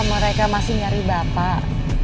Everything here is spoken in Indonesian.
mereka masih nyari bapak